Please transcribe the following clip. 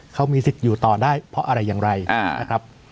เขามีสิทธิ์อยู่ต่อได้เพราะอะไรอย่างไรนะครับ